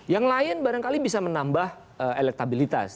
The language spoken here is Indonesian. yang lain barangkali bisa menambah elektabilitas